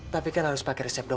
tapi kan harus pakai resmi